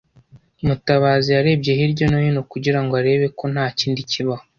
Mutabazi yarebye hirya no hino kugira ngo arebe ko nta kindi kibaho.